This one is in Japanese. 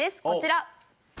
こちら。